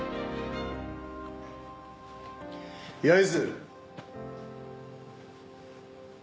焼津。